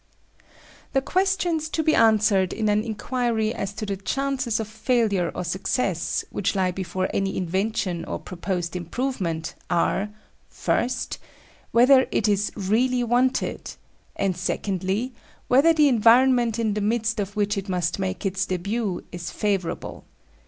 The questions to be answered in an inquiry as to the chances of failure or success which lie before any invention or proposed improvement are, first, whether it is really wanted; and, secondly, whether the environment in the midst of which it must make its début is favourable.